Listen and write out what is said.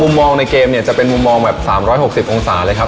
มองในเกมเนี่ยจะเป็นมุมมองแบบ๓๖๐องศาเลยครับ